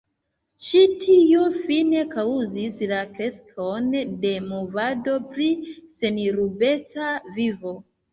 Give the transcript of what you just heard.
Ĉi tio fine kaŭzis la kreskon de movado pri senrubeca vivo.